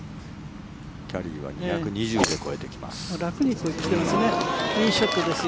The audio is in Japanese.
キャリーは２２０で越えてきます。